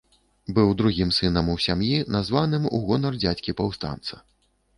Быў другім сынам у сям'і, названым у гонар дзядзькі-паўстанца.